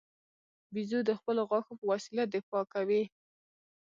بیزو د خپلو غاښو په وسیله دفاع کوي.